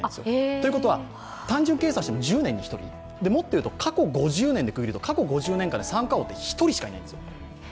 ということは、単純計算しても、１０年に１人もっというと、過去５０年間で三冠王って１人しかいないんです。